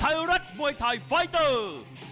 ไทยรัฐมวยไทยไฟเตอร์